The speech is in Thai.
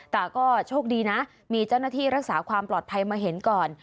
แต่ก็โชคดีนะมีเจ้าหน้าที่รักษาความปลอดภัยมาเห็นก่อน